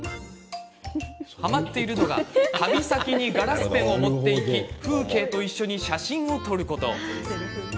はまっているのは旅先にガラスペンを持っていき風景と一緒に写真を撮ること。